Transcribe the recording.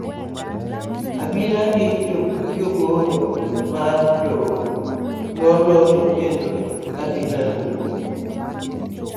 Obila gi jagoro mar doho noloso kendo obila nowuok.